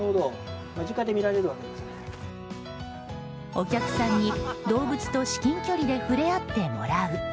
お客さんに動物と至近距離で触れ合ってもらう。